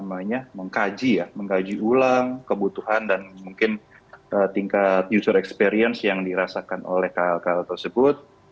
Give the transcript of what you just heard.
dan setelah kami mengkaji ulang kebutuhan dan mungkin tingkat user experience yang dirasakan oleh klk tersebut